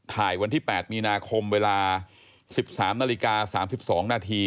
ถ่ายวันที่๘มีนาคมเวลา๑๓นาฬิกา๓๒นาที